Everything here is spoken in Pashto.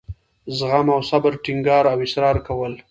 زغم او صبر ټینګار او اصرار کول.